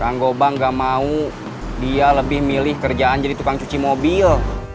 kang gobang gak mau dia lebih milih kerjaan jadi tukang cuci mobil